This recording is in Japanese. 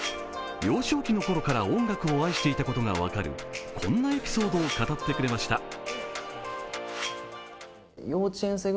幼少期のころから音楽を愛していたことが分かるこんなエピソードを語ってくれました。